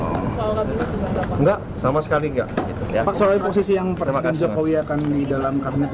hai sama sekali enggak ya pak soalnya posisi yang pertama aja kau ya kan di dalam kabinet